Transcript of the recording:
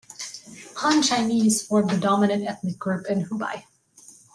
Han Chinese form the dominant ethnic group in Hubei.